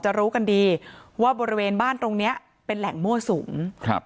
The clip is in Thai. รู้กันดีว่าบริเวณบ้านตรงเนี้ยเป็นแหล่งมั่วสุมครับ